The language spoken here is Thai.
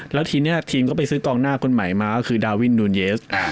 แล้วทีนี้ทีมก็ไปซื้อกองหน้าคนใหม่มาก็คือดาวินนูนเยส